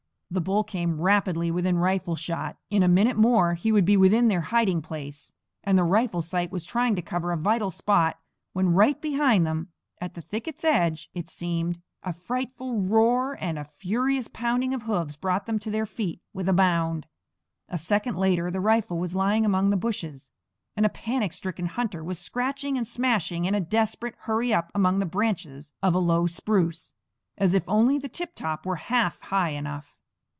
The bull came rapidly within rifle shot. In a minute more he would be within their hiding place; and the rifle sight was trying to cover a vital spot, when right behind them at the thicket's edge, it seemed a frightful roar and a furious pounding of hoofs brought them to their feet with a bound. A second later the rifle was lying among the bushes, and a panic stricken hunter was scratching and smashing in a desperate hurry up among the branches of a low spruce, as if only the tiptop were half high enough.